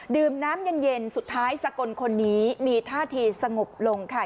ดื่มน้ำเย็นสุดท้ายสกลคนนี้มีท่าทีสงบลงค่ะ